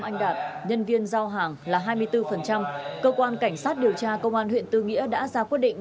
anh đạt nhân viên giao hàng là hai mươi bốn cơ quan cảnh sát điều tra công an huyện tư nghĩa đã ra quyết định